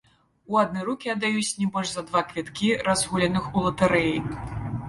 У адны рукі аддаюць не больш за два квіткі, разгуляных у латарэі.